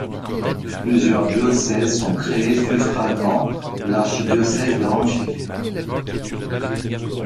Plusieurs diocèses sont créés, suffragants de l’archidiocèse de Ranchi.